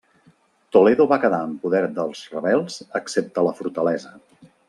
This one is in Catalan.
Toledo va quedar en poder dels rebels excepte la fortalesa.